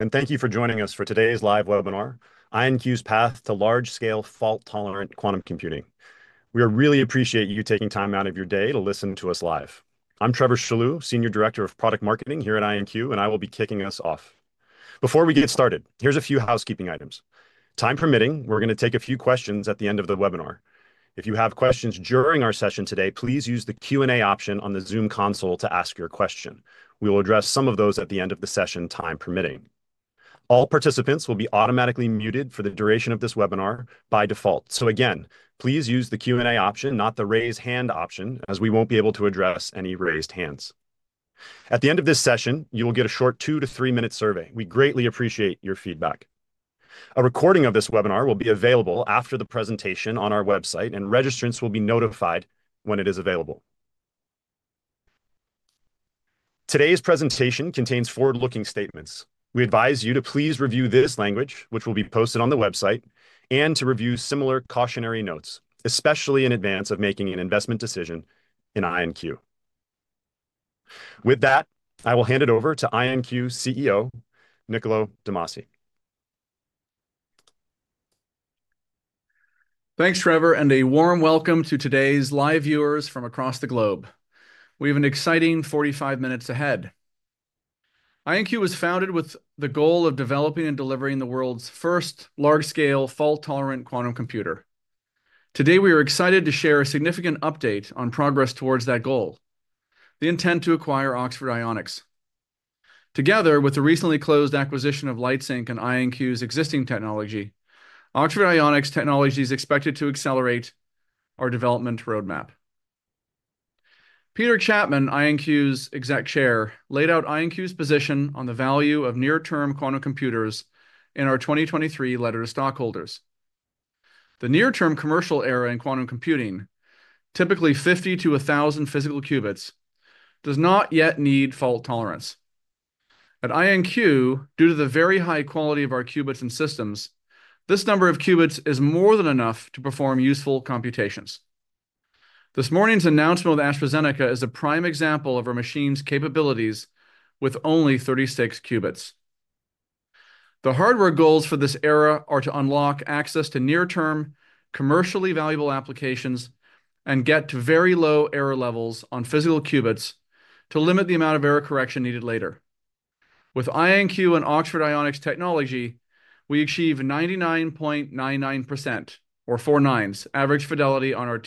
Thank you for joining us for today's live webinar, IonQ's Path to Large-Scale Fault-Tolerant Quantum Computing. We really appreciate you taking time out of your day to listen to us live. I'm Trevor Chaloux, Senior Director of Product Marketing here at IonQ, and I will be kicking us off. Before we get started, here are a few housekeeping items. Time permitting, we're going to take a few questions at the end of the webinar. If you have questions during our session today, please use the Q&A option on the Zoom console to ask your question. We will address some of those at the end of the session, time permitting. All participants will be automatically muted for the duration of this webinar by default. Please use the Q&A option, not the raise hand option, as we won't be able to address any raised hands. At the end of this session, you will get a short two to three-minute survey. We greatly appreciate your feedback. A recording of this webinar will be available after the presentation on our website, and registrants will be notified when it is available. Today's presentation contains forward-looking statements. We advise you to please review this language, which will be posted on the website, and to review similar cautionary notes, especially in advance of making an investment decision in IonQ. With that, I will hand it over to IonQ CEO, Niccolo de Masi. Thanks, Trevor, and a warm welcome to today's live viewers from across the globe. We have an exciting 45 minutes ahead. IonQ was founded with the goal of developing and delivering the world's first large-scale fault-tolerant quantum computer. Today, we are excited to share a significant update on progress towards that goal: the intent to acquire Oxford Ionics. Together with the recently closed acquisition of Lightsynq and IonQ's existing technology, Oxford Ionics' technologies is expected to accelerate our development roadmap. Peter Chapman, IonQ's Executive Chair, laid out IonQ's position on the value of near-term quantum computers in our 2023 letter to stockholders. The near-term commercial era in quantum computing, typically 50-1,000 physical qubits, does not yet need fault tolerance. At IonQ, due to the very high quality of our qubits and systems, this number of qubits is more than enough to perform useful computations. This morning's announcement of AstraZeneca is a prime example of our machine's capabilities with only 36 qubits. The hardware goals for this era are to unlock access to near-term commercially valuable applications and get to very low error levels on physical qubits to limit the amount of error correction needed later. With IonQ and Oxford Ionics technology, we achieve 99.99%, or four nines, average fidelity on our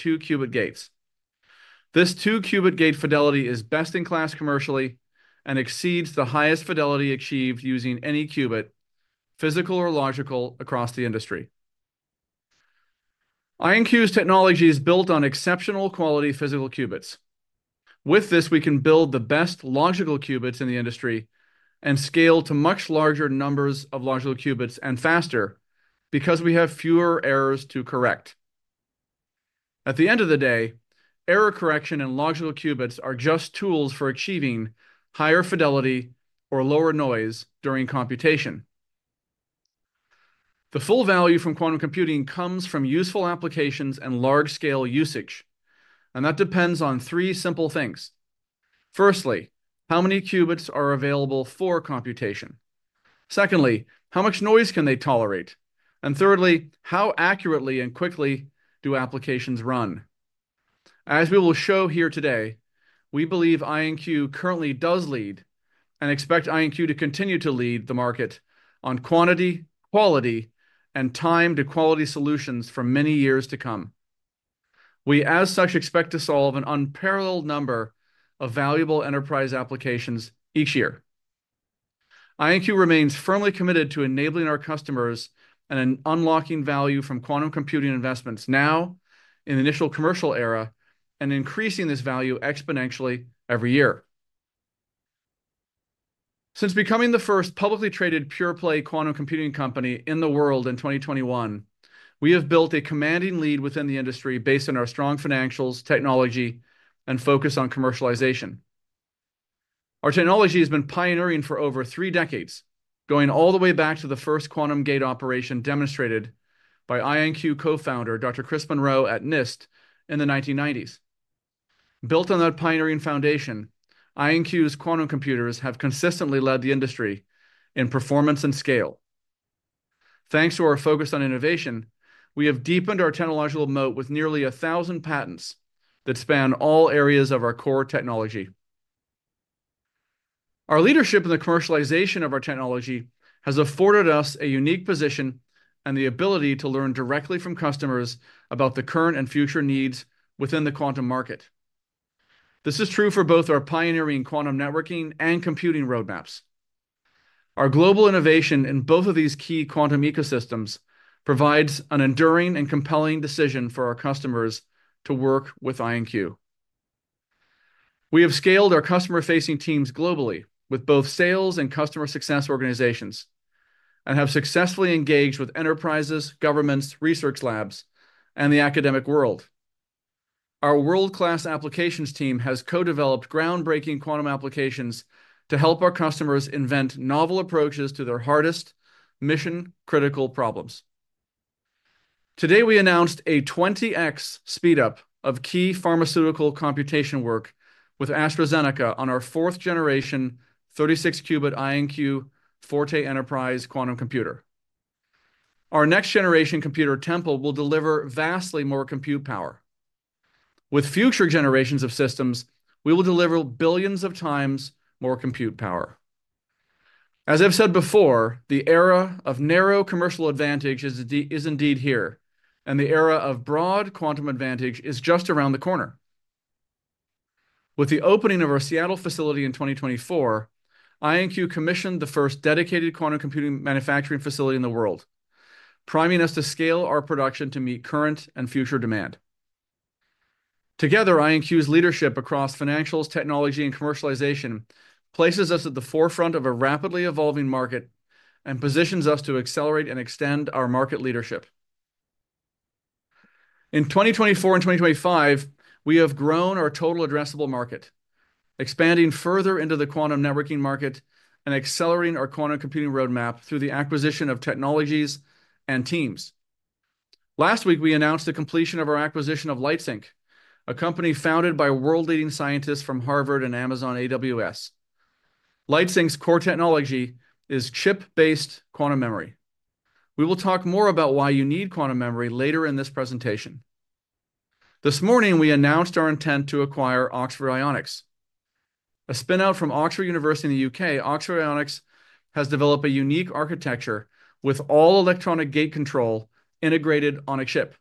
two-qubit gates. This two-qubit gate fidelity is best in class commercially and exceeds the highest fidelity achieved using any qubit, physical or logical, across the industry. IonQ's technology is built on exceptional quality physical qubits. With this, we can build the best logical qubits in the industry and scale to much larger numbers of logical qubits and faster because we have fewer errors to correct. At the end of the day, error correction and logical qubits are just tools for achieving higher fidelity or lower noise during computation. The full value from quantum computing comes from useful applications and large-scale usage, and that depends on three simple things. Firstly, how many qubits are available for computation. Secondly, how much noise can they tolerate. Thirdly, how accurately and quickly do applications run. As we will show here today, we believe IonQ currently does lead and expect IonQ to continue to lead the market on quantity, quality, and time-to-quality solutions for many years to come. We, as such, expect to solve an unparalleled number of valuable enterprise applications each year. IonQ remains firmly committed to enabling our customers and unlocking value from quantum computing investments now in the initial commercial era and increasing this value exponentially every year. Since becoming the first publicly traded pure-play quantum computing company in the world in 2021, we have built a commanding lead within the industry based on our strong financials, technology, and focus on commercialization. Our technology has been pioneering for over three decades, going all the way back to the first quantum gate operation demonstrated by IonQ Co-Founder, Dr. Chris Monroe, at NIST in the 1990s. Built on that pioneering foundation, IonQ's quantum computers have consistently led the industry in performance and scale. Thanks to our focus on innovation, we have deepened our technological moat with nearly 1,000 patents that span all areas of our core technology. Our leadership in the commercialization of our technology has afforded us a unique position and the ability to learn directly from customers about the current and future needs within the quantum market. This is true for both our pioneering quantum networking and computing roadmaps. Our global innovation in both of these key quantum ecosystems provides an enduring and compelling decision for our customers to work with IonQ. We have scaled our customer-facing teams globally with both sales and customer success organizations and have successfully engaged with enterprises, governments, research labs, and the academic world. Our world-class applications team has co-developed groundbreaking quantum applications to help our customers invent novel approaches to their hardest mission-critical problems. Today, we announced a 20x speed-up of key pharmaceutical computation work with AstraZeneca on our fourth-generation 36-qubit IonQ Forte Enterprise quantum computer. Our next-generation computer Tempo will deliver vastly more compute power. With future generations of systems, we will deliver billions of times more compute power. As I've said before, the era of narrow commercial advantage is indeed here, and the era of broad quantum advantage is just around the corner. With the opening of our Seattle facility in 2024, IonQ commissioned the first dedicated quantum computing manufacturing facility in the world, priming us to scale our production to meet current and future demand. Together, IonQ's leadership across financials, technology, and commercialization places us at the forefront of a rapidly evolving market and positions us to accelerate and extend our market leadership. In 2024 and 2025, we have grown our total addressable market, expanding further into the quantum networking market and accelerating our quantum computing roadmap through the acquisition of technologies and teams. Last week, we announced the completion of our acquisition of Lightsynq, a company founded by world-leading scientists from Harvard and Amazon AWS. Lightsynq's core technology is chip-based quantum memory. We will talk more about why you need quantum memory later in this presentation. This morning, we announced our intent to acquire Oxford Ionics. A spinout from Oxford University in the U.K., Oxford Ionics has developed a unique architecture with all-electronic gate control integrated on a chip.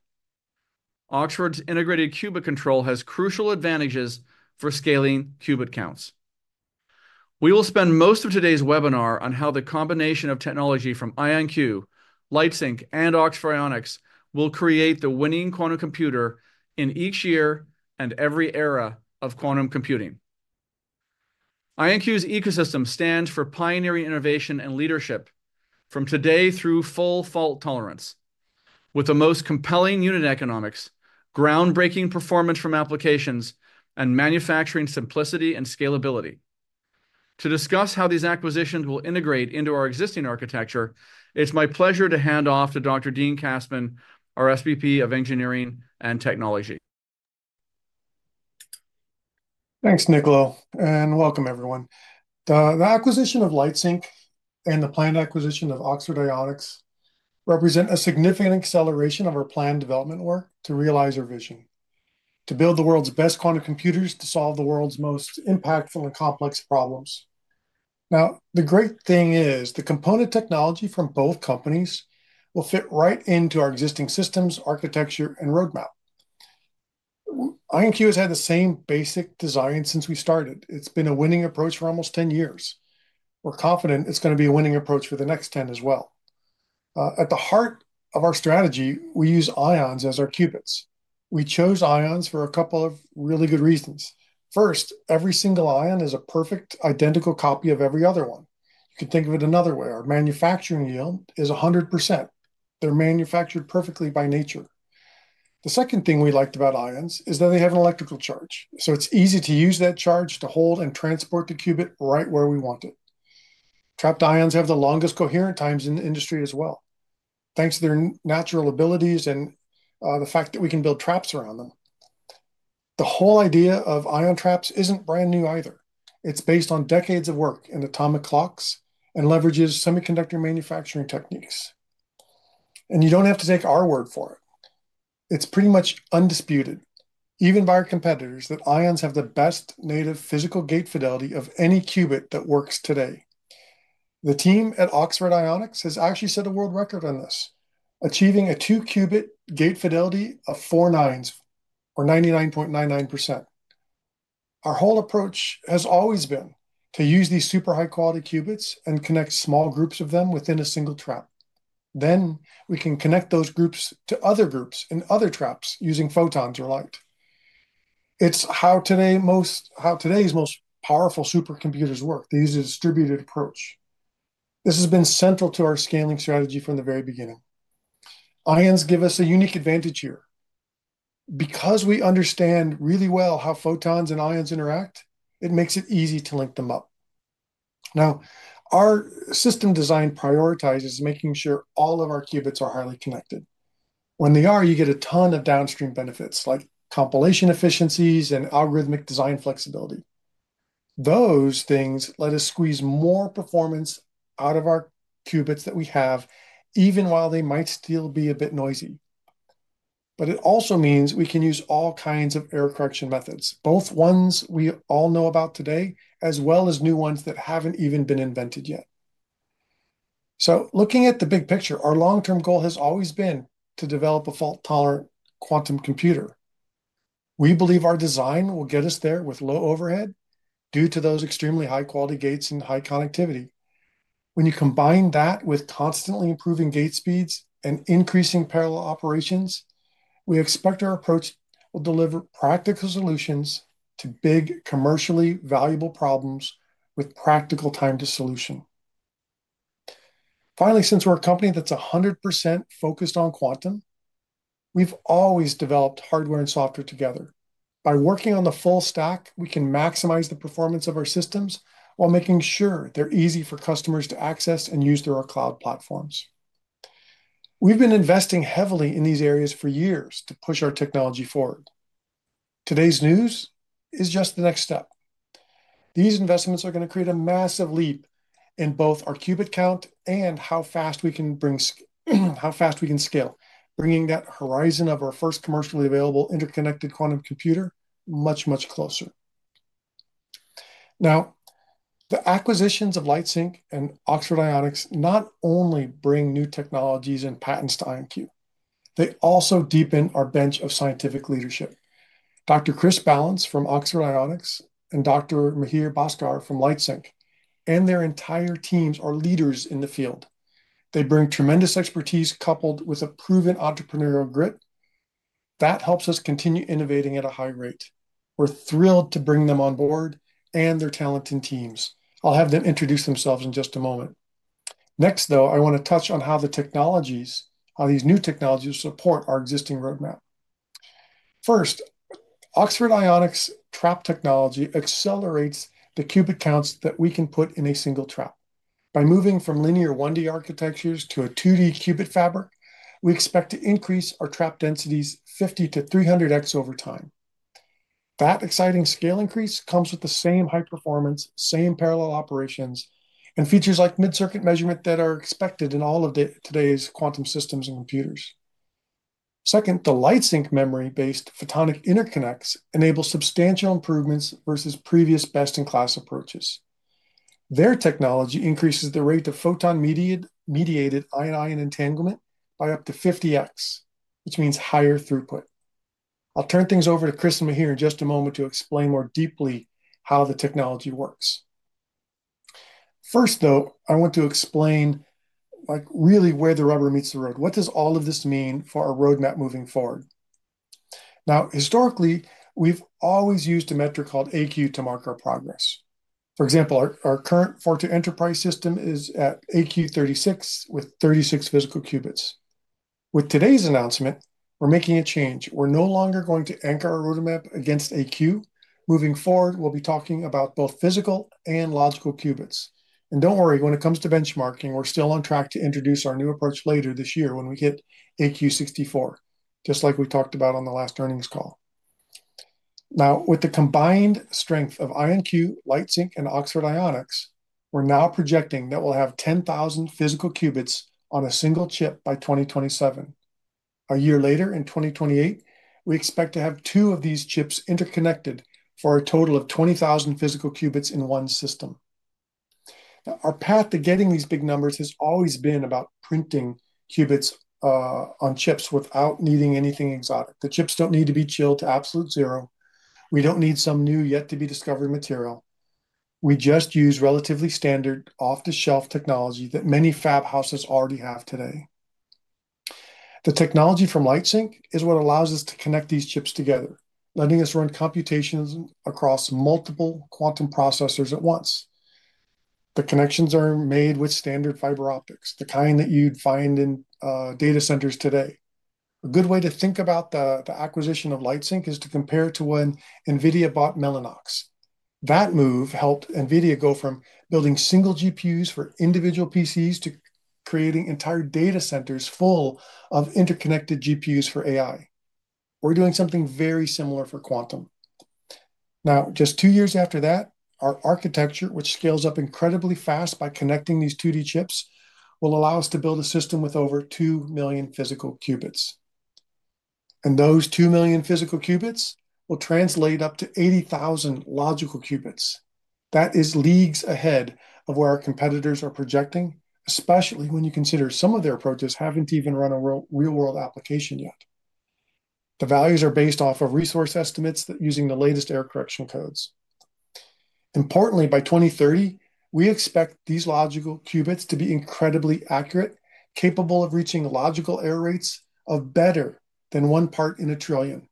Oxford's integrated qubit control has crucial advantages for scaling qubit counts. We will spend most of today's webinar on how the combination of technology from IonQ, Lightsynq, and Oxford Ionics will create the winning quantum computer in each year and every era of quantum computing. IonQ's ecosystem stands for pioneering innovation and leadership from today through full fault tolerance, with the most compelling unit economics, groundbreaking performance from applications, and manufacturing simplicity and scalability. To discuss how these acquisitions will integrate into our existing architecture, it's my pleasure to hand off to Dr. Dean Kassmann, our SVP of Engineering and Technology. Thanks, Niccolo, and welcome, everyone. The acquisition of Lightsynq and the planned acquisition of Oxford Ionics represent a significant acceleration of our planned development work to realize our vision: to build the world's best quantum computers to solve the world's most impactful and complex problems. Now, the great thing is the component technology from both companies will fit right into our existing systems, architecture, and roadmap. IonQ has had the same basic design since we started. It's been a winning approach for almost 10 years. We're confident it's going to be a winning approach for the next 10 as well. At the heart of our strategy, we use ions as our qubits. We chose ions for a couple of really good reasons. First, every single ion is a perfect identical copy of every other one. You can think of it another way. Our manufacturing yield is 100%. They're manufactured perfectly by nature. The second thing we liked about ions is that they have an electrical charge, so it's easy to use that charge to hold and transport the qubit right where we want it. Trapped ions have the longest coherent times in the industry as well, thanks to their natural abilities and the fact that we can build traps around them. The whole idea of ion traps is not brand new either. It's based on decades of work in atomic clocks and leverages semiconductor manufacturing techniques. You do not have to take our word for it. It's pretty much undisputed, even by our competitors, that ions have the best native physical gate fidelity of any qubit that works today. The team at Oxford Ionics has actually set a world record on this, achieving a two-qubit gate fidelity of four nines, or 99.99%. Our whole approach has always been to use these super high-quality qubits and connect small groups of them within a single trap. Then we can connect those groups to other groups in other traps using photons or light. It is how today's most powerful supercomputers work. They use a distributed approach. This has been central to our scaling strategy from the very beginning. Ions give us a unique advantage here. Because we understand really well how photons and ions interact, it makes it easy to link them up. Now, our system design prioritizes making sure all of our qubits are highly connected. When they are, you get a ton of downstream benefits like compilation efficiencies and algorithmic design flexibility. Those things let us squeeze more performance out of our qubits that we have, even while they might still be a bit noisy. It also means we can use all kinds of error correction methods, both ones we all know about today as well as new ones that have not even been invented yet. Looking at the big picture, our long-term goal has always been to develop a fault-tolerant quantum computer. We believe our design will get us there with low overhead due to those extremely high-quality gates and high connectivity. When you combine that with constantly improving gate speeds and increasing parallel operations, we expect our approach will deliver practical solutions to big commercially valuable problems with practical time to solution. Finally, since we are a company that is 100% focused on quantum, we have always developed hardware and software together. By working on the full stack, we can maximize the performance of our systems while making sure they are easy for customers to access and use through our cloud platforms. We've been investing heavily in these areas for years to push our technology forward. Today's news is just the next step. These investments are going to create a massive leap in both our qubit count and how fast we can scale, bringing that horizon of our first commercially available interconnected quantum computer much, much closer. Now, the acquisitions of Lightsynq and Oxford Ionics not only bring new technologies and patents to IonQ, they also deepen our bench of scientific leadership. Dr. Chris Ballance from Oxford Ionics and Dr. Mihir Bhaskar from Lightsynq and their entire teams are leaders in the field. They bring tremendous expertise coupled with a proven entrepreneurial grit that helps us continue innovating at a high rate. We're thrilled to bring them on board and their talented teams. I'll have them introduce themselves in just a moment. Next, though, I want to touch on how the technologies, how these new technologies support our existing roadmap. First, Oxford Ionics' trap technology accelerates the qubit counts that we can put in a single trap. By moving from linear 1D architectures to a 2D qubit fabric, we expect to increase our trap densities 50-300x over time. That exciting scale increase comes with the same high performance, same parallel operations, and features like mid-circuit measurement that are expected in all of today's quantum systems and computers. Second, the Lightsynq memory-based photonic interconnects enable substantial improvements versus previous best-in-class approaches. Their technology increases the rate of photon-mediated ion-ion entanglement by up to 50x, which means higher throughput. I'll turn things over to Chris and Mihir in just a moment to explain more deeply how the technology works. First, though, I want to explain really where the rubber meets the road. What does all of this mean for our roadmap moving forward? Now, historically, we've always used a metric called AQ to mark our progress. For example, our current Forte Enterprise system is at AQ 36 with 36 physical qubits. With today's announcement, we're making a change. We're no longer going to anchor our roadmap against AQ. Moving forward, we'll be talking about both physical and logical qubits. Don't worry, when it comes to benchmarking, we're still on track to introduce our new approach later this year when we hit AQ 64, just like we talked about on the last earnings call. Now, with the combined strength of IonQ, Lightsynq, and Oxford Ionics, we're now projecting that we'll have 10,000 physical qubits on a single chip by 2027. A year later, in 2028, we expect to have two of these chips interconnected for a total of 20,000 physical qubits in one system. Now, our path to getting these big numbers has always been about printing qubits on chips without needing anything exotic. The chips do not need to be chilled to absolute zero. We do not need some new yet-to-be-discovered material. We just use relatively standard off-the-shelf technology that many fab houses already have today. The technology from Lightsynq is what allows us to connect these chips together, letting us run computations across multiple quantum processors at once. The connections are made with standard fiber optics, the kind that you would find in data centers today. A good way to think about the acquisition of Lightsynq is to compare it to when NVIDIA bought Mellanox. That move helped NVIDIA go from building single GPUs for individual PCs to creating entire data centers full of interconnected GPUs for AI. We're doing something very similar for quantum. Now, just two years after that, our architecture, which scales up incredibly fast by connecting these 2D chips, will allow us to build a system with over two million physical qubits. Those two million physical qubits will translate up to 80,000 logical qubits. That is leagues ahead of where our competitors are projecting, especially when you consider some of their approaches have not even run a real-world application yet. The values are based off of resource estimates using the latest error correction codes. Importantly, by 2030, we expect these logical qubits to be incredibly accurate, capable of reaching logical error rates of better than one part in a trillion.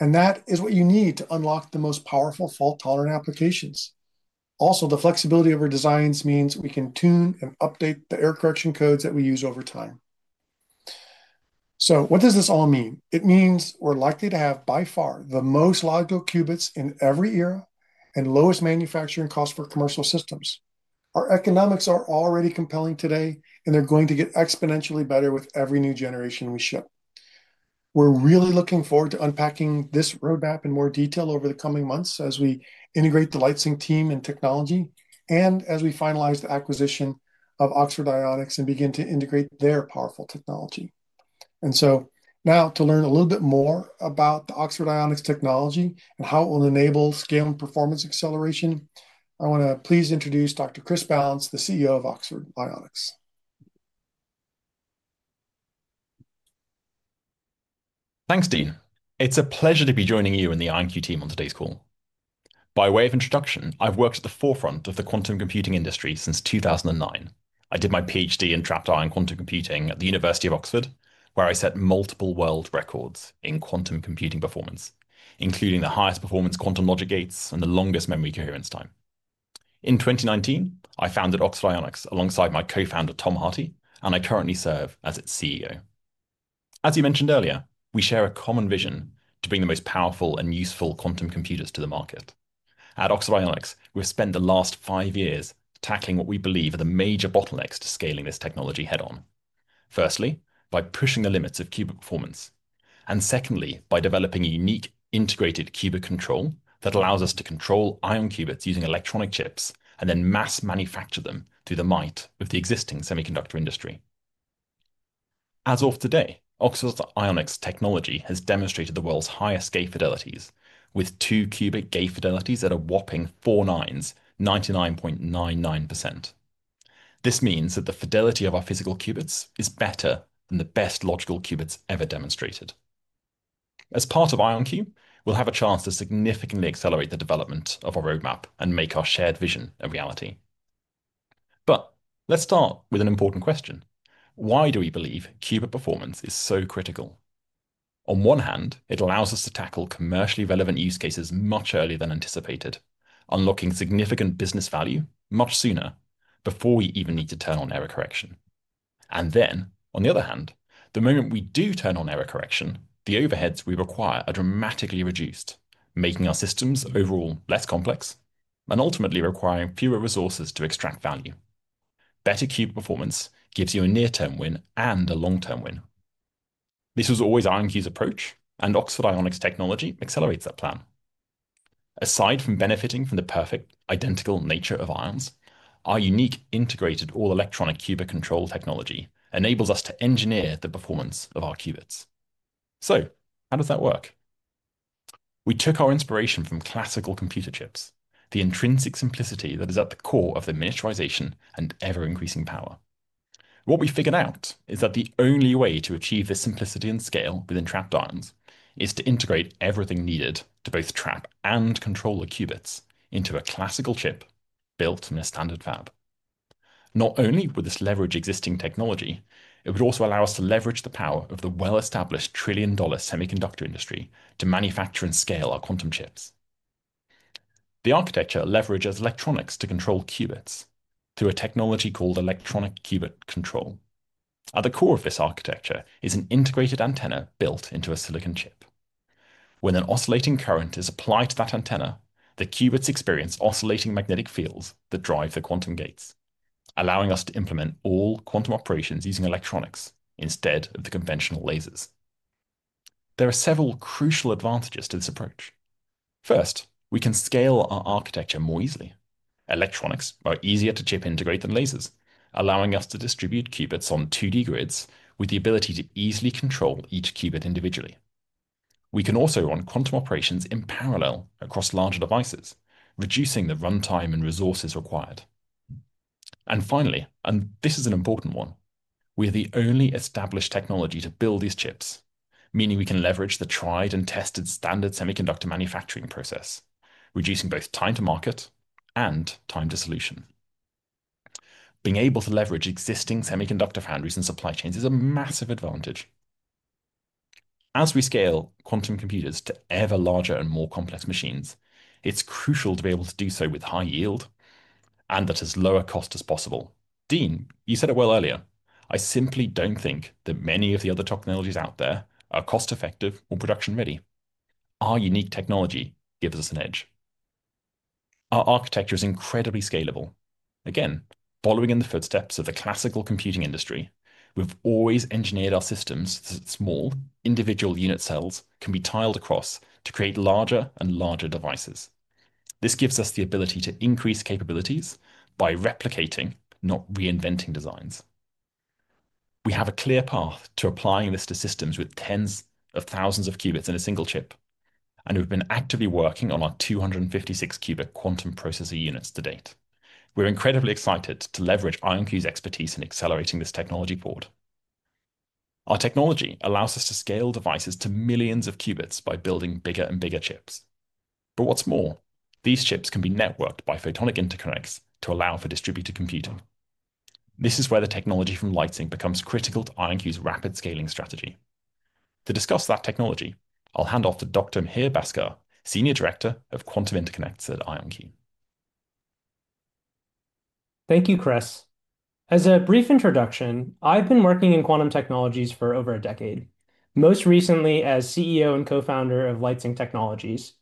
That is what you need to unlock the most powerful fault-tolerant applications. Also, the flexibility of our designs means we can tune and update the error correction codes that we use over time. What does this all mean? It means we're likely to have by far the most logical qubits in every era and lowest manufacturing costs for commercial systems. Our economics are already compelling today, and they're going to get exponentially better with every new generation we ship. We're really looking forward to unpacking this roadmap in more detail over the coming months as we integrate the Lightsynq team and technology and as we finalize the acquisition of Oxford Ionics and begin to integrate their powerful technology. Now, to learn a little bit more about the Oxford Ionics technology and how it will enable scale and performance acceleration, I want to please introduce Dr. Chris Ballance, the CEO of Oxford Ionics. Thanks, Dean. It's a pleasure to be joining you and the IonQ team on today's call. By way of introduction, I've worked at the forefront of the quantum computing industry since 2009. I did my PhD in trapped ion quantum computing at the University of Oxford, where I set multiple world records in quantum computing performance, including the highest performance quantum logic gates and the longest memory coherence time. In 2019, I founded Oxford Ionics alongside my Co-Founder, Tom Harty, and I currently serve as its CEO. As you mentioned earlier, we share a common vision to bring the most powerful and useful quantum computers to the market. At Oxford Ionics, we've spent the last five years tackling what we believe are the major bottlenecks to scaling this technology head-on. Firstly, by pushing the limits of qubit performance. Secondly, by developing a unique integrated qubit control that allows us to control ion qubits using electronic chips and then mass manufacture them through the might of the existing semiconductor industry. As of today, Oxford Ionics' technology has demonstrated the world's highest gate fidelities, with two-qubit gate fidelities at a whopping four nines, 99.99%. This means that the fidelity of our physical qubits is better than the best logical qubits ever demonstrated. As part of IonQ, we'll have a chance to significantly accelerate the development of our roadmap and make our shared vision a reality. Let's start with an important question. Why do we believe qubit performance is so critical? On one hand, it allows us to tackle commercially relevant use cases much earlier than anticipated, unlocking significant business value much sooner before we even need to turn on error correction. On the other hand, the moment we do turn on error correction, the overheads we require are dramatically reduced, making our systems overall less complex and ultimately requiring fewer resources to extract value. Better qubit performance gives you a near-term win and a long-term win. This was always IonQ's approach, and Oxford Ionics' technology accelerates that plan. Aside from benefiting from the perfect identical nature of ions, our unique integrated all-electronic qubit control technology enables us to engineer the performance of our qubits. How does that work? We took our inspiration from classical computer chips, the intrinsic simplicity that is at the core of their miniaturization and ever-increasing power. What we figured out is that the only way to achieve this simplicity and scale within trapped ions is to integrate everything needed to both trap and control the qubits into a classical chip built in a standard fab. Not only would this leverage existing technology, it would also allow us to leverage the power of the well-established trillion-dollar semiconductor industry to manufacture and scale our quantum chips. The architecture leverages electronics to control qubits through a technology called electronic qubit control. At the core of this architecture is an integrated antenna built into a silicon chip. When an oscillating current is applied to that antenna, the qubits experience oscillating magnetic fields that drive the quantum gates, allowing us to implement all quantum operations using electronics instead of the conventional lasers. There are several crucial advantages to this approach. First, we can scale our architecture more easily. Electronics are easier to chip integrate than lasers, allowing us to distribute qubits on 2D grids with the ability to easily control each qubit individually. We can also run quantum operations in parallel across larger devices, reducing the runtime and resources required. Finally, and this is an important one, we are the only established technology to build these chips, meaning we can leverage the tried-and-tested standard semiconductor manufacturing process, reducing both time to market and time to solution. Being able to leverage existing semiconductor foundries and supply chains is a massive advantage. As we scale quantum computers to ever larger and more complex machines, it is crucial to be able to do so with high yield and at as low a cost as possible. Dean, you said it well earlier. I simply do not think that many of the other technologies out there are cost-effective or production-ready. Our unique technology gives us an edge. Our architecture is incredibly scalable. Again, following in the footsteps of the classical computing industry, we've always engineered our systems so that small individual unit cells can be tiled across to create larger and larger devices. This gives us the ability to increase capabilities by replicating, not reinventing designs. We have a clear path to applying this to systems with tens of thousands of qubits in a single chip, and we've been actively working on our 256-qubit quantum processor units to date. We're incredibly excited to leverage IonQ's expertise in accelerating this technology board. Our technology allows us to scale devices to millions of qubits by building bigger and bigger chips. What is more, these chips can be networked by photonic interconnects to allow for distributed computing. This is where the technology from Lightsynq becomes critical to IonQ's rapid scaling strategy. To discuss that technology, I'll hand off to Dr. Mihir Bhaskar, Senior Director of Quantum Interconnects at IonQ. Thank you, Chris. As a brief introduction, I've been working in quantum technologies for over a decade, most recently as CEO and Co-Founder of Lightsynq Technologies.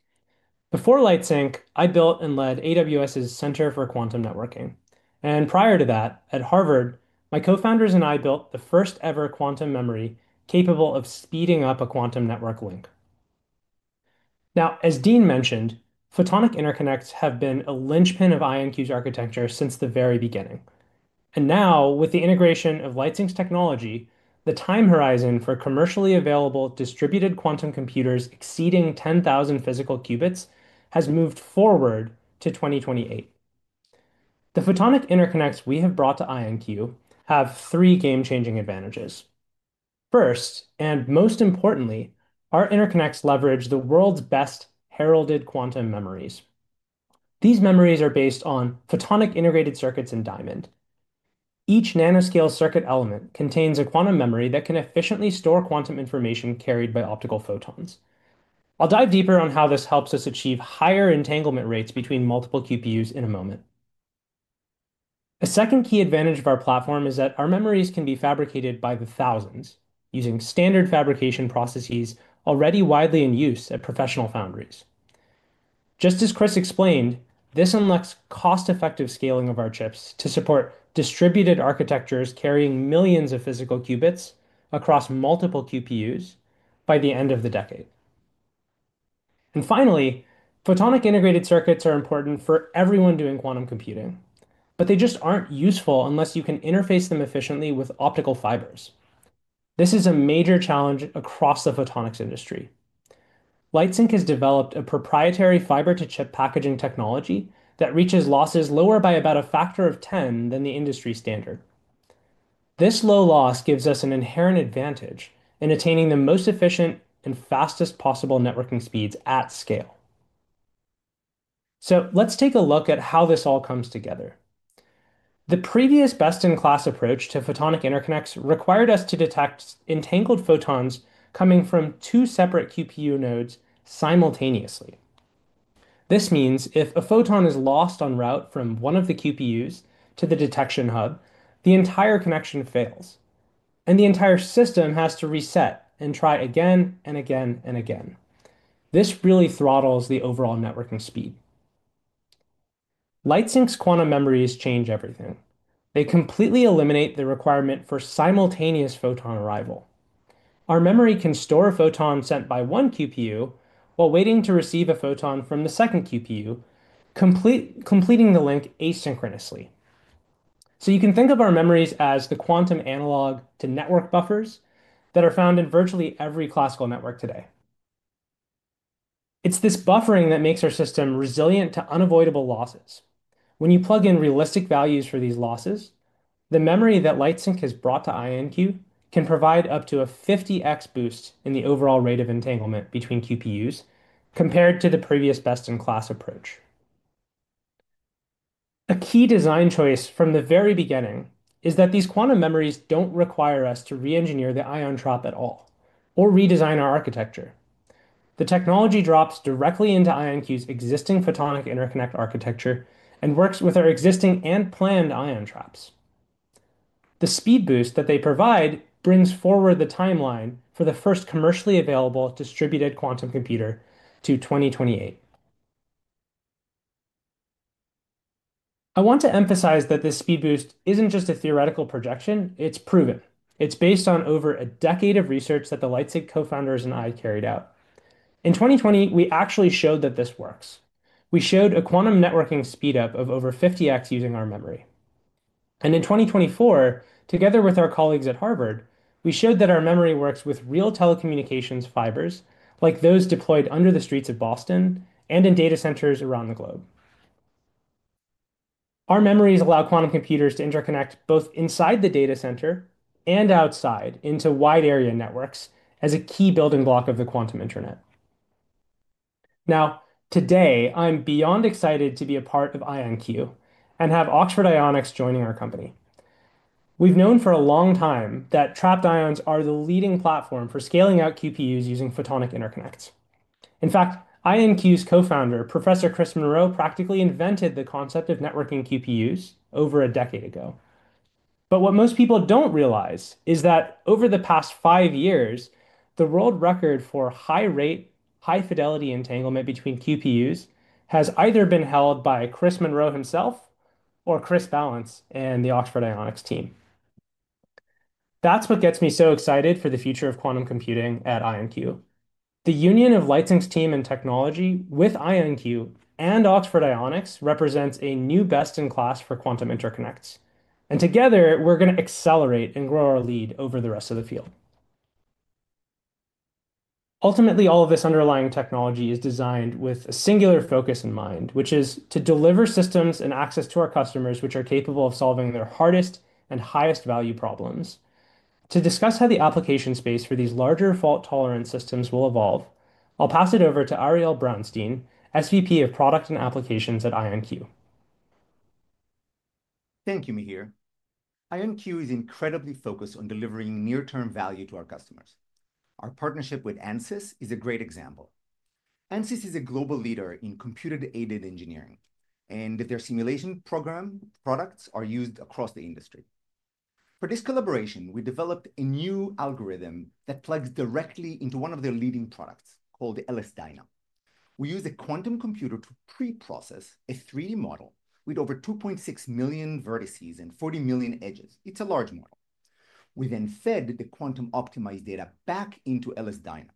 Before Lightsynq, I built and led AWS's Center for Quantum Networking. Prior to that, at Harvard, my co-founders and I built the first-ever quantum memory capable of speeding up a quantum network link. As Dean mentioned, photonic interconnects have been a linchpin of IonQ's architecture since the very beginning. Now, with the integration of Lightsynq's technology, the time horizon for commercially available distributed quantum computers exceeding 10,000 physical qubits has moved forward to 2028. The photonic interconnects we have brought to IonQ have three game-changing advantages. First, and most importantly, our interconnects leverage the world's best heralded quantum memories. These memories are based on photonic integrated circuits in diamond. Each nanoscale circuit element contains a quantum memory that can efficiently store quantum information carried by optical photons. I'll dive deeper on how this helps us achieve higher entanglement rates between multiple QPUs in a moment. A second key advantage of our platform is that our memories can be fabricated by the thousands using standard fabrication processes already widely in use at professional foundries. Just as Chris explained, this unlocks cost-effective scaling of our chips to support distributed architectures carrying millions of physical qubits across multiple QPUs by the end of the decade. Finally, photonic integrated circuits are important for everyone doing quantum computing, but they just aren't useful unless you can interface them efficiently with optical fibers. This is a major challenge across the photonics industry. Lightsynq has developed a proprietary fiber-to-chip packaging technology that reaches losses lower by about a factor of 10 than the industry standard. This low loss gives us an inherent advantage in attaining the most efficient and fastest possible networking speeds at scale. Let's take a look at how this all comes together. The previous best-in-class approach to photonic interconnects required us to detect entangled photons coming from two separate QPU nodes simultaneously. This means if a photon is lost en route from one of the QPUs to the detection hub, the entire connection fails, and the entire system has to reset and try again and again and again. This really throttles the overall networking speed. Lightsynq's quantum memories change everything. They completely eliminate the requirement for simultaneous photon arrival. Our memory can store a photon sent by one QPU while waiting to receive a photon from the second QPU, completing the link asynchronously. You can think of our memories as the quantum analog to network buffers that are found in virtually every classical network today. It is this buffering that makes our system resilient to unavoidable losses. When you plug in realistic values for these losses, the memory that Lightsynq has brought to IonQ can provide up to a 50x boost in the overall rate of entanglement between QPUs compared to the previous best-in-class approach. A key design choice from the very beginning is that these quantum memories do not require us to re-engineer the ion trap at all or redesign our architecture. The technology drops directly into IonQ's existing photonic interconnect architecture and works with our existing and planned ion traps. The speed boost that they provide brings forward the timeline for the first commercially available distributed quantum computer to 2028. I want to emphasize that this speed boost isn't just a theoretical projection. It's proven. It's based on over a decade of research that the Lightsynq co-founders and I carried out. In 2020, we actually showed that this works. We showed a quantum networking speed up of over 50x using our memory. In 2024, together with our colleagues at Harvard, we showed that our memory works with real telecommunications fibers like those deployed under the streets of Boston and in data centers around the globe. Our memories allow quantum computers to interconnect both inside the data center and outside into wide area networks as a key building block of the quantum internet. Today, I'm beyond excited to be a part of IonQ and have Oxford Ionics joining our company. We've known for a long time that trapped ions are the leading platform for scaling out QPUs using photonic interconnects. In fact, IonQ's Co-Founder, Professor Chris Monroe, practically invented the concept of networking QPUs over a decade ago. What most people don't realize is that over the past five years, the world record for high rate, high fidelity entanglement between QPUs has either been held by Chris Monroe himself or Chris Ballance and the Oxford Ionics team. That is what gets me so excited for the future of quantum computing at IonQ. The union of Lightsynq's team and technology with IonQ and Oxford Ionics represents a new best-in-class for quantum interconnects. Together, we're going to accelerate and grow our lead over the rest of the field. Ultimately, all of this underlying technology is designed with a singular focus in mind, which is to deliver systems and access to our customers which are capable of solving their hardest and highest value problems. To discuss how the application space for these larger fault-tolerant systems will evolve, I'll pass it over to Ariel Braunstein, SVP of Product and Applications at IonQ. Thank you, Mihir. IonQ is incredibly focused on delivering near-term value to our customers. Our partnership with Ansys is a great example. Ansys is a global leader in computer-aided engineering, and their simulation program products are used across the industry. For this collaboration, we developed a new algorithm that plugs directly into one of their leading products called LS-DYNA. We use a quantum computer to preprocess a 3D model with over 2.6 million vertices and 40 million edges. It's a large model. We then fed the quantum-optimized data back into LS-DYNA.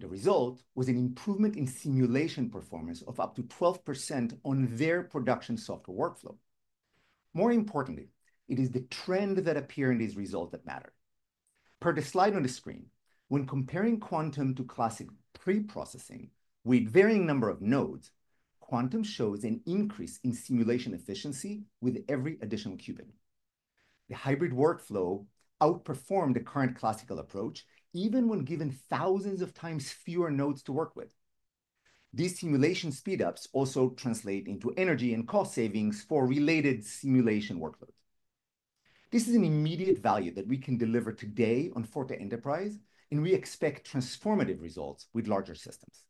The result was an improvement in simulation performance of up to 12% on their production software workflow. More importantly, it is the trend that appears in these results that matters. Per the slide on the screen, when comparing quantum to classic preprocessing with varying number of nodes, quantum shows an increase in simulation efficiency with every additional qubit. The hybrid workflow outperformed the current classical approach, even when given thousands of times fewer nodes to work with. These simulation speed-ups also translate into energy and cost savings for related simulation workloads. This is an immediate value that we can deliver today on Forte Enterprise, and we expect transformative results with larger systems.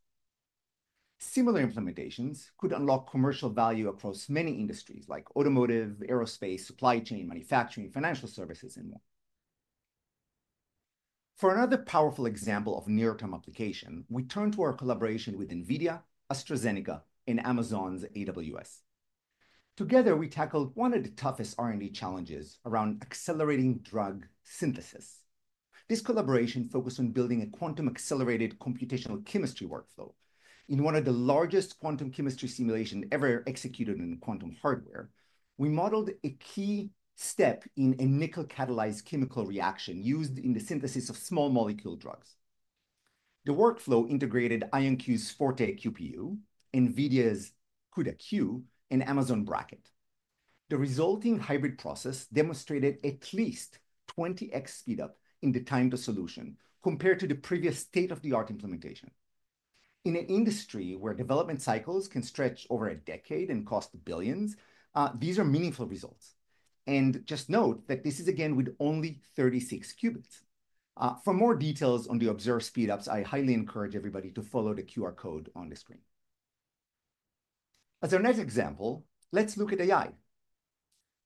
Similar implementations could unlock commercial value across many industries like automotive, aerospace, supply chain, manufacturing, financial services, and more. For another powerful example of near-term application, we turn to our collaboration with NVIDIA, AstraZeneca, and Amazon AWS. Together, we tackled one of the toughest R&D challenges around accelerating drug synthesis. This collaboration focused on building a quantum-accelerated computational chemistry workflow. In one of the largest quantum chemistry simulations ever executed in quantum hardware, we modeled a key step in a nickel-catalyzed chemical reaction used in the synthesis of small molecule drugs. The workflow integrated IonQ's Forte QPU, NVIDIA's CUDA-Q, and Amazon Braket. The resulting hybrid process demonstrated at least 20x speed-up in the time to solution compared to the previous state-of-the-art implementation. In an industry where development cycles can stretch over a decade and cost billions, these are meaningful results. Just note that this is again with only 36 qubits. For more details on the observed speed-ups, I highly encourage everybody to follow the QR code on the screen. As our next example, let's look at AI.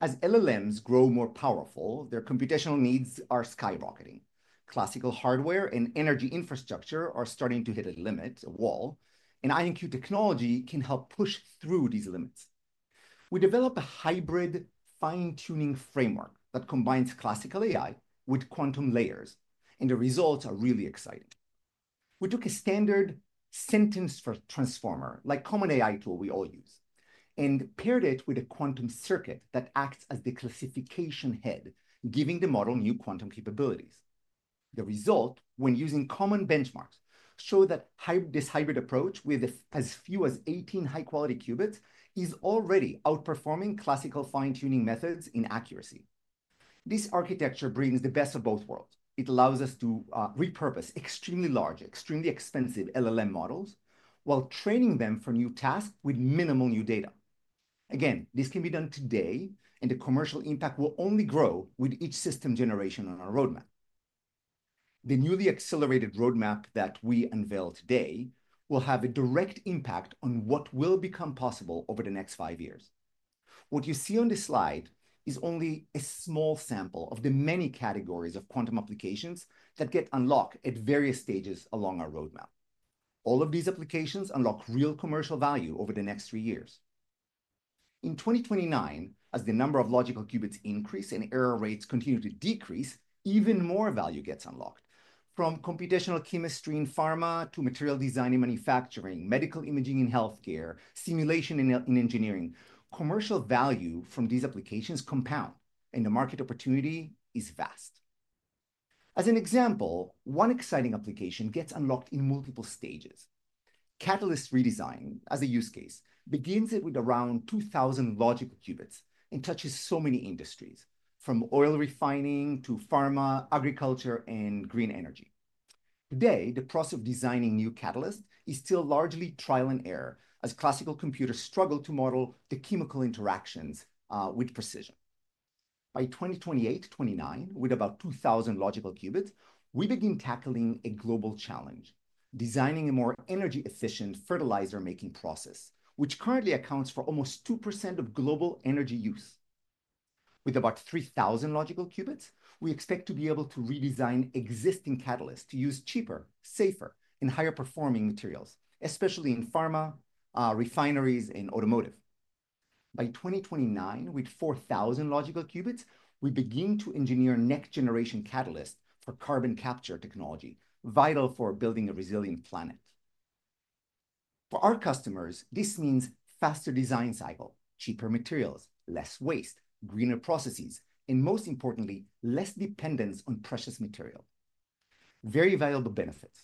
As LLMs grow more powerful, their computational needs are skyrocketing. Classical hardware and energy infrastructure are starting to hit a limit, a wall, and IonQ technology can help push through these limits. We developed a hybrid fine-tuning framework that combines classical AI with quantum layers, and the results are really exciting. We took a standard sentence transformer like common AI tool we all use and paired it with a quantum circuit that acts as the classification head, giving the model new quantum capabilities. The result, when using common benchmarks, showed that this hybrid approach with as few as 18 high-quality qubits is already outperforming classical fine-tuning methods in accuracy. This architecture brings the best of both worlds. It allows us to repurpose extremely large, extremely expensive LLM models while training them for new tasks with minimal new data. Again, this can be done today, and the commercial impact will only grow with each system generation on our roadmap. The newly accelerated roadmap that we unveil today will have a direct impact on what will become possible over the next five years. What you see on this slide is only a small sample of the many categories of quantum applications that get unlocked at various stages along our roadmap. All of these applications unlock real commercial value over the next three years. In 2029, as the number of logical qubits increase and error rates continue to decrease, even more value gets unlocked. From computational chemistry in pharma to material design and manufacturing, medical imaging in healthcare, simulation in engineering, commercial value from these applications compound, and the market opportunity is vast. As an example, one exciting application gets unlocked in multiple stages. Catalyst redesign, as a use case, begins with around 2,000 logical qubits and touches so many industries, from oil refining to pharma, agriculture, and green energy. Today, the process of designing new catalysts is still largely trial and error as classical computers struggle to model the chemical interactions with precision. By 2028-2029, with about 2,000 logical qubits, we begin tackling a global challenge: designing a more energy-efficient fertilizer-making process, which currently accounts for almost two percent of global energy use. With about 3,000 logical qubits, we expect to be able to redesign existing catalysts to use cheaper, safer, and higher-performing materials, especially in pharma, refineries, and automotive. By 2029, with 4,000 logical qubits, we begin to engineer next-generation catalysts for carbon capture technology, vital for building a resilient planet. For our customers, this means faster design cycle, cheaper materials, less waste, greener processes, and most importantly, less dependence on precious material. Very valuable benefits.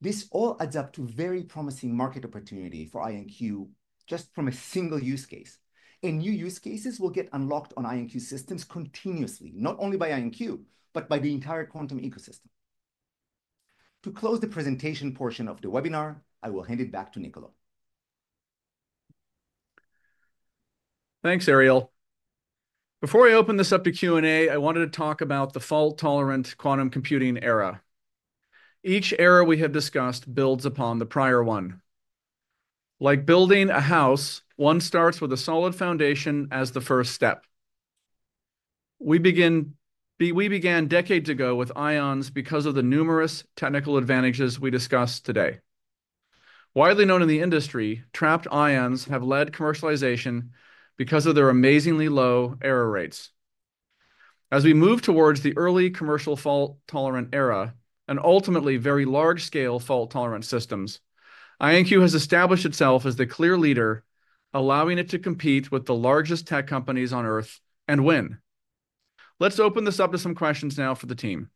This all adds up to a very promising market opportunity for IonQ just from a single use case. New use cases will get unlocked on IonQ systems continuously, not only by IonQ, but by the entire quantum ecosystem. To close the presentation portion of the webinar, I will hand it back to Niccolo. Thanks, Ariel. Before I open this up to Q&A, I wanted to talk about the fault-tolerant quantum computing era. Each era we have discussed builds upon the prior one. Like building a house, one starts with a solid foundation as the first step. We began decades ago with ions because of the numerous technical advantages we discuss today. Widely known in the industry, trapped ions have led commercialization because of their amazingly low error rates. As we move towards the early commercial fault-tolerant era and ultimately very large-scale fault-tolerant systems, IonQ has established itself as the clear leader, allowing it to compete with the largest tech companies on earth and win. Let's open this up to some questions now for the team.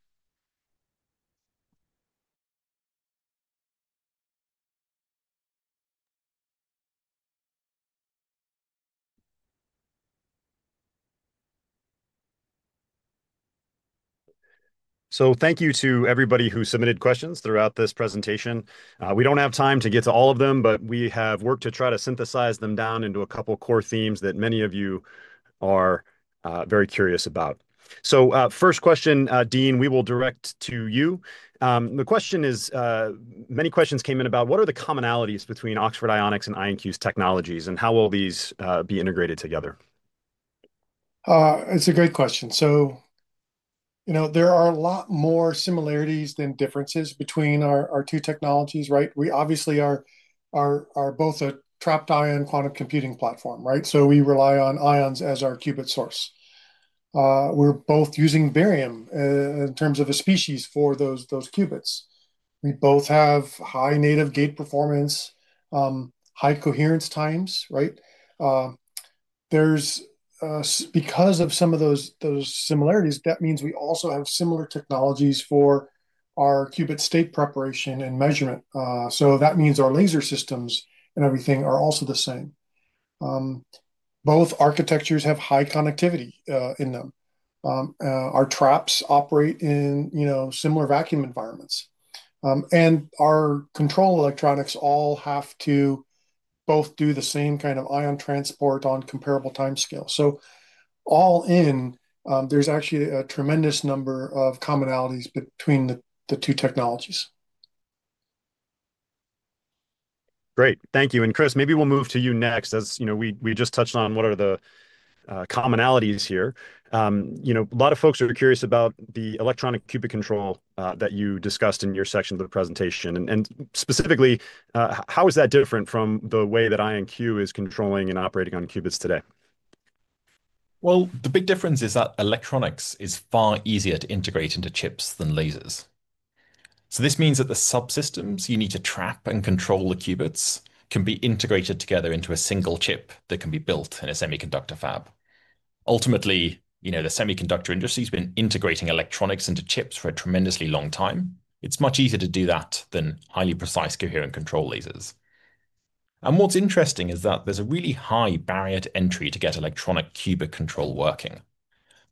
Thank you to everybody who submitted questions throughout this presentation. We do not have time to get to all of them, but we have worked to try to synthesize them down into a couple of core themes that many of you are very curious about. First question, Dean, we will direct to you. The question is, many questions came in about what are the commonalities between Oxford Ionics and IonQ's technologies and how will these be integrated together? It's a great question. You know, there are a lot more similarities than differences between our two technologies, right? We obviously are both a trapped ion quantum computing platform, right? We rely on ions as our qubit source. We're both using barium in terms of a species for those qubits. We both have high native gate performance, high coherence times, right? Because of some of those similarities, that means we also have similar technologies for our qubit state preparation and measurement. That means our laser systems and everything are also the same. Both architectures have high connectivity in them. Our traps operate in similar vacuum environments. Our control electronics all have to both do the same kind of ion transport on comparable timescales. All in, there's actually a tremendous number of commonalities between the two technologies. Great. Thank you. Chris, maybe we will move to you next. As you know, we just touched on what are the commonalities here. A lot of folks are curious about the electronic qubit control that you discussed in your section of the presentation. Specifically, how is that different from the way that IonQ is controlling and operating on qubits today? The big difference is that electronics is far easier to integrate into chips than lasers. This means that the subsystems you need to trap and control the qubits can be integrated together into a single chip that can be built in a semiconductor fab. Ultimately, the semiconductor industry has been integrating electronics into chips for a tremendously long time. It's much easier to do that than highly precise coherent control lasers. What's interesting is that there's a really high barrier to entry to get electronic qubit control working.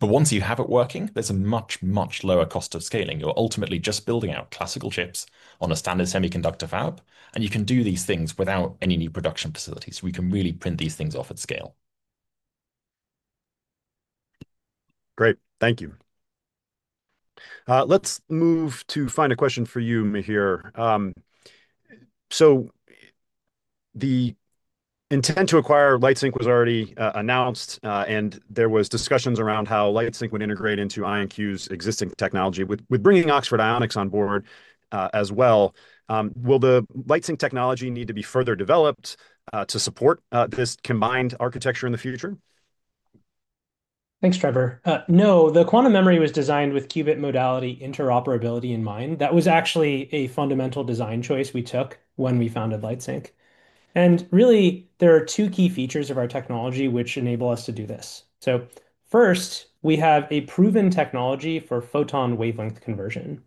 Once you have it working, there's a much, much lower cost of scaling. You're ultimately just building out classical chips on a standard semiconductor fab, and you can do these things without any new production facilities. We can really print these things off at scale. Great. Thank you. Let's move to final question for you, Mihir. So the intent to acquire Lightsynq was already announced, and there were discussions around how Lightsynq would integrate into IonQ's existing technology. With bringing Oxford Ionics on board as well, will the Lightsynq technology need to be further developed to support this combined architecture in the future? Thanks, Trevor. No, the quantum memory was designed with qubit modality interoperability in mind. That was actually a fundamental design choice we took when we founded Lightsynq. There are two key features of our technology which enable us to do this. First, we have a proven technology for photon wavelength conversion.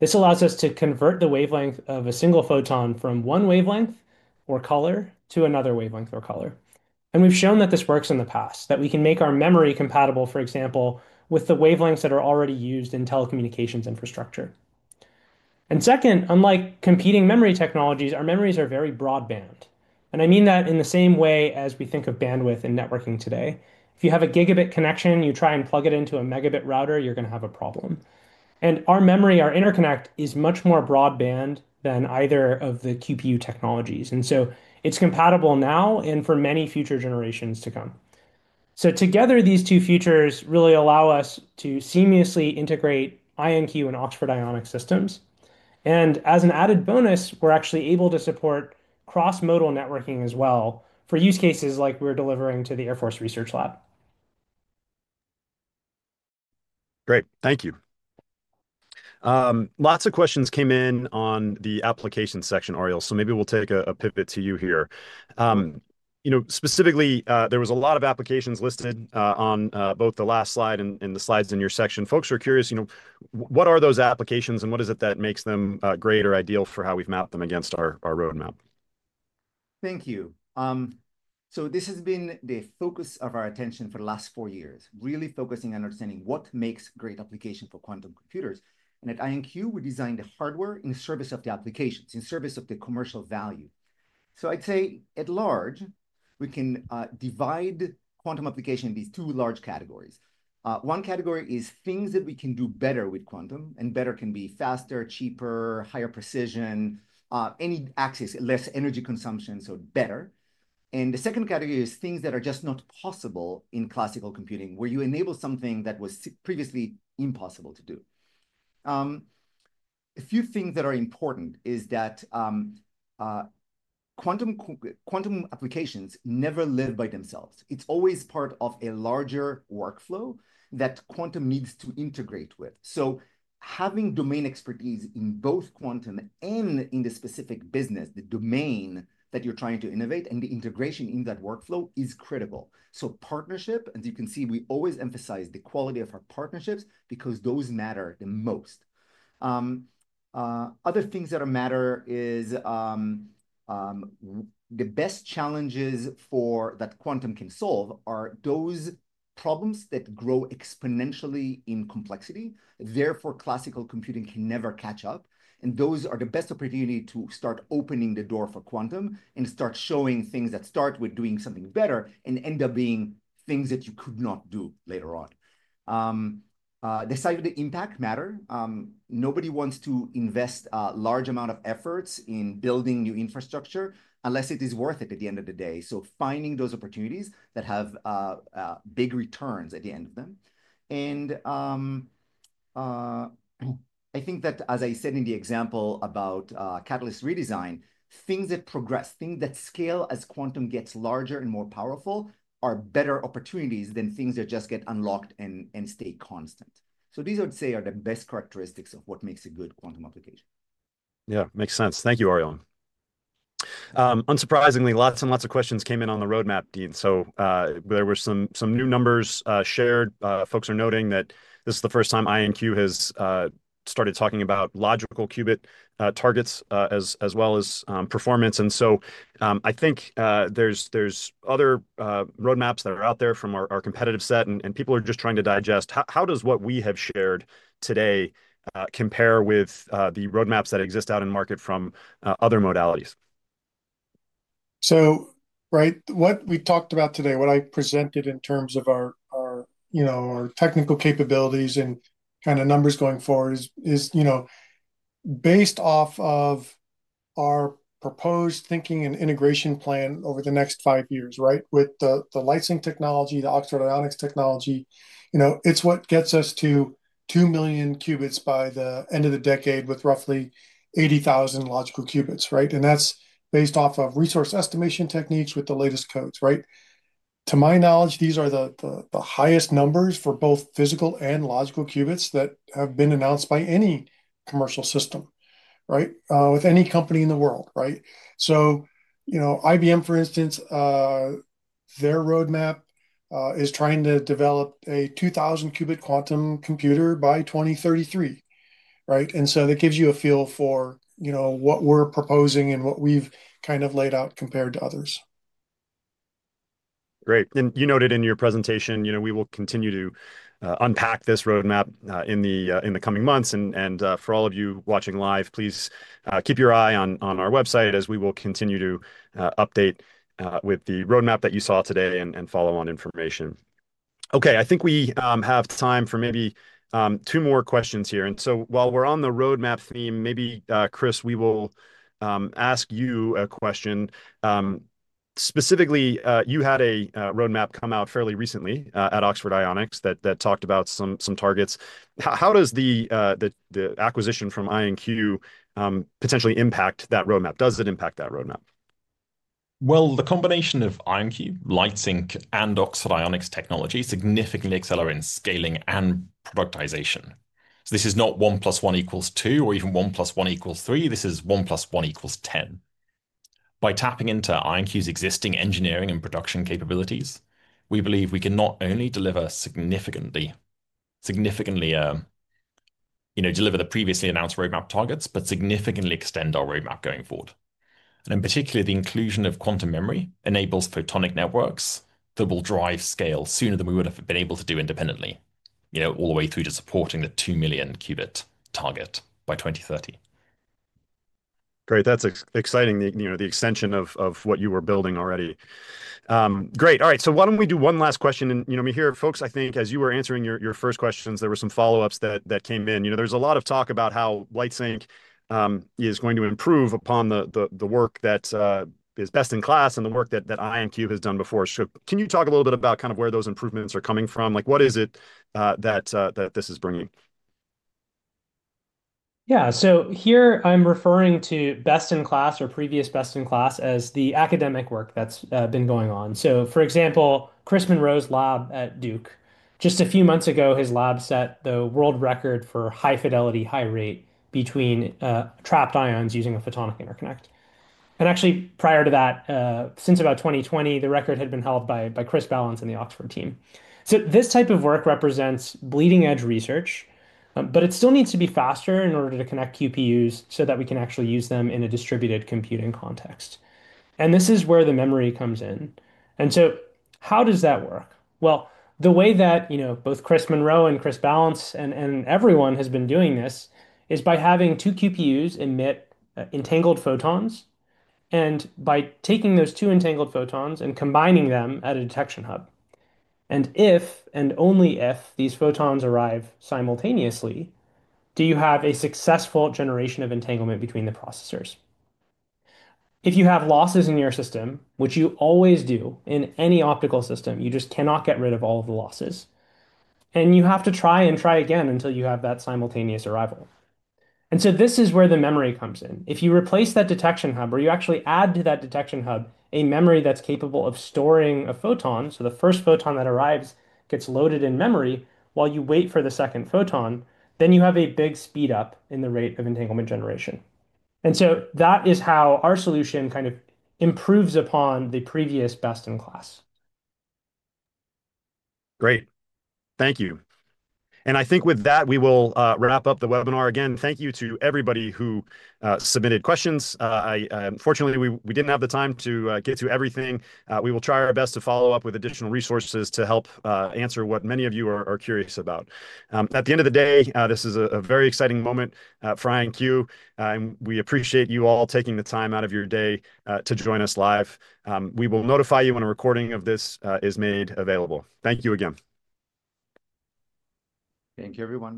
This allows us to convert the wavelength of a single photon from one wavelength or color to another wavelength or color. We have shown that this works in the past, that we can make our memory compatible, for example, with the wavelengths that are already used in telecommunications infrastructure. Second, unlike competing memory technologies, our memories are very broadband. I mean that in the same way as we think of bandwidth and networking today. If you have a gigabit connection, you try and plug it into a megabit router, you're going to have a problem. Our memory, our interconnect, is much more broadband than either of the QPU technologies. It is compatible now and for many future generations to come. Together, these two features really allow us to seamlessly integrate IonQ and Oxford Ionics systems. As an added bonus, we're actually able to support cross-modal networking as well for use cases like we're delivering to the Air Force Research Lab. Great. Thank you. Lots of questions came in on the application section, Ariel. Maybe we'll take a pivot to you here. Specifically, there was a lot of applications listed on both the last slide and the slides in your section. Folks are curious, what are those applications and what is it that makes them great or ideal for how we've mapped them against our roadmap? Thank you. This has been the focus of our attention for the last four years, really focusing on understanding what makes great applications for quantum computers. At IonQ, we design the hardware in service of the applications, in service of the commercial value. I'd say at large, we can divide quantum application into these two large categories. One category is things that we can do better with quantum, and better can be faster, cheaper, higher precision, any axis, less energy consumption, so better. The second category is things that are just not possible in classical computing, where you enable something that was previously impossible to do. A few things that are important is that quantum applications never live by themselves. It's always part of a larger workflow that quantum needs to integrate with. Having domain expertise in both quantum and in the specific business, the domain that you're trying to innovate and the integration in that workflow is critical. Partnership, as you can see, we always emphasize the quality of our partnerships because those matter the most. Other things that matter is the best challenges that quantum can solve are those problems that grow exponentially in complexity. Therefore, classical computing can never catch up. Those are the best opportunity to start opening the door for quantum and start showing things that start with doing something better and end up being things that you could not do later on. Decided impact matter. Nobody wants to invest a large amount of efforts in building new infrastructure unless it is worth it at the end of the day. Finding those opportunities that have big returns at the end of them. I think that, as I said in the example about catalyst redesign, things that progress, things that scale as quantum gets larger and more powerful are better opportunities than things that just get unlocked and stay constant. These, I would say, are the best characteristics of what makes a good quantum application. Yeah, makes sense. Thank you, Ariel. Unsurprisingly, lots and lots of questions came in on the roadmap, Dean. There were some new numbers shared. Folks are noting that this is the first time IonQ has started talking about logical qubit targets as well as performance. I think there are other roadmaps that are out there from our competitive set, and people are just trying to digest. How does what we have shared today compare with the roadmaps that exist out in the market from other modalities? Right, what we talked about today, what I presented in terms of our technical capabilities and kind of numbers going forward is based off of our proposed thinking and integration plan over the next five years, right? With the Lightsynq technology, the Oxford Ionics technology, it's what gets us to 2 million qubits by the end of the decade with roughly 80,000 logical qubits, right? And that's based off of resource estimation techniques with the latest codes, right? To my knowledge, these are the highest numbers for both physical and logical qubits that have been announced by any commercial system, right? With any company in the world, right? IBM, for instance, their roadmap is trying to develop a 2,000-qubit quantum computer by 2033, right? That gives you a feel for what we're proposing and what we've kind of laid out compared to others. Great. You noted in your presentation, we will continue to unpack this roadmap in the coming months. For all of you watching live, please keep your eye on our website as we will continue to update with the roadmap that you saw today and follow-on information. Okay, I think we have time for maybe two more questions here. While we are on the roadmap theme, maybe, Chris, we will ask you a question. Specifically, you had a roadmap come out fairly recently at Oxford Ionics that talked about some targets. How does the acquisition from IonQ potentially impact that roadmap? Does it impact that roadmap? The combination of IonQ, Lightsynq, and Oxford Ionics technology significantly accelerates scaling and productization. This is not one plus one equals two or even one plus one equals three. This is one plus one equals 10. By tapping into IonQ's existing engineering and production capabilities, we believe we can not only deliver the previously announced roadmap targets, but significantly extend our roadmap going forward. In particular, the inclusion of quantum memory enables photonic networks that will drive scale sooner than we would have been able to do independently, all the way through to supporting the 2 million qubit target by 2030. Great. That's exciting, the extension of what you were building already. Great. All right. Why don't we do one last question? Mihir, folks, I think as you were answering your first questions, there were some follow-ups that came in. There's a lot of talk about how Lightsynq is going to improve upon the work that is best in class and the work that IonQ has done before. Can you talk a little bit about kind of where those improvements are coming from? What is it that this is bringing? Yeah. Here I'm referring to best in class or previous best in class as the academic work that's been going on. For example, Chris Monroe's lab at Duke, just a few months ago, his lab set the world record for high fidelity, high rate between trapped ions using a photonic interconnect. Actually, prior to that, since about 2020, the record had been held by Chris Ballance and the Oxford team. This type of work represents bleeding-edge research, but it still needs to be faster in order to connect QPUs so that we can actually use them in a distributed computing context. This is where the memory comes in. How does that work? The way that both Chris Monroe and Chris Ballance and everyone has been doing this is by having two QPUs emit entangled photons and by taking those two entangled photons and combining them at a detection hub. If and only if these photons arrive simultaneously, you have a successful generation of entanglement between the processors. If you have losses in your system, which you always do in any optical system, you just cannot get rid of all of the losses. You have to try and try again until you have that simultaneous arrival. This is where the memory comes in. If you replace that detection hub or you actually add to that detection hub a memory that's capable of storing a photon, so the first photon that arrives gets loaded in memory while you wait for the second photon, you have a big speed up in the rate of entanglement generation. That is how our solution kind of improves upon the previous best in class. Great. Thank you. I think with that, we will wrap up the webinar. Again, thank you to everybody who submitted questions. Unfortunately, we did not have the time to get to everything. We will try our best to follow up with additional resources to help answer what many of you are curious about. At the end of the day, this is a very exciting moment for IonQ. We appreciate you all taking the time out of your day to join us live. We will notify you when a recording of this is made available. Thank you again. Thank you, everybody.